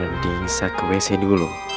nanti saya ke wc dulu